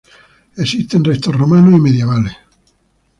Existen restos romanos y medievales.